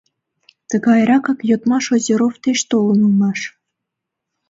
Тыгайракак йодмаш Озеров деч толын улмаш.